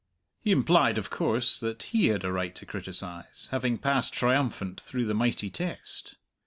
He implied, of course, that he had a right to criticize, having passed triumphant through the mighty test.